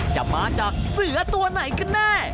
จะมาจากเสือตัวไหนกันแน่